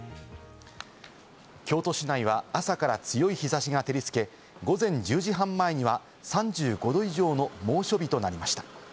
京都市内は朝から強い日差しが照りつけ、午前１０時半前には３５℃以上の猛暑日となりました。